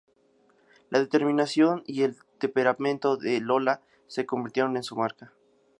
La determinación y el temperamento de Lola se convirtieron en su marca.